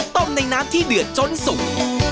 ต้มในน้ำที่เดือดจนสุก